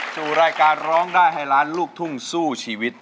สู่รายการร้องได้ให้ล้านลูกทุ่งสู้ชีวิต